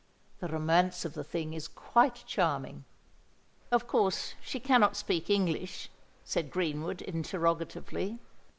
The romance of the thing is quite charming." "Of course she cannot speak English?" said Greenwood interrogatively.